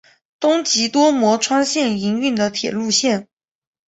东急多摩川线营运的铁路线。